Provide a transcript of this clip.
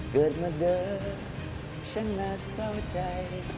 เกิดมาเด้อฉันน่าเศร้าใจ